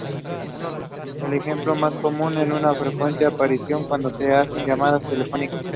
El ejemplo más común es una frecuente aparición cuando se hacen llamadas telefónicas.